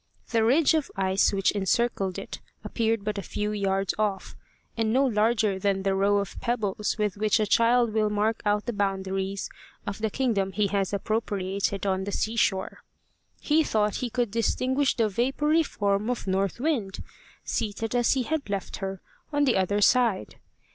The ridge of ice which encircled it appeared but a few yards off, and no larger than the row of pebbles with which a child will mark out the boundaries of the kingdom he has appropriated on the sea shore. He thought he could distinguish the vapoury form of North Wind, seated as he had left her, on the other side.